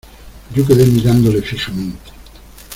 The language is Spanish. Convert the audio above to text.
yo quedé mirándole fijamente: